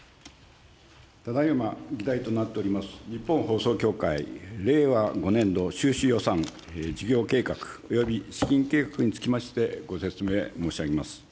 ただいま議題となっております、日本放送協会令和５年度収支予算、事業計画および資金計画につきまして、ご説明申し上げます。